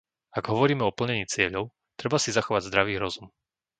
Ak hovoríme o plnení cieľov, treba si zachovať zdravý rozum.